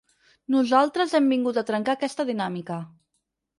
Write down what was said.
Nosaltres hem vingut a trencar aquesta dinàmica.